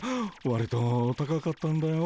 わりと高かったんだよ。